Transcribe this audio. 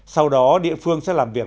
sau đó địa phương sẽ làm việc